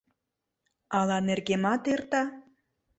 Ала нергемат эрта.